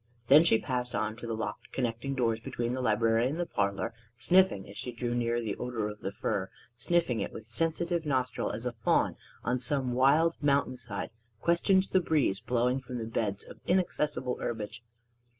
Then she passed on to the locked connecting doors between the library and the parlor, sniffing as she drew near the odor of the fir sniffing it with sensitive nostril as a fawn on some wild mountain side questions the breeze blowing from beds of inaccessible herbage.